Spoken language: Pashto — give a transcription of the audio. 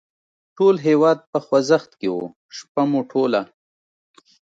ټول هېواد په خوځښت کې و، شپه مو ټوله.